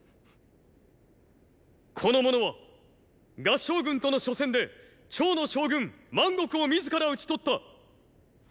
この者は合従軍との初戦で趙の将軍万極を自ら討ち取った。！！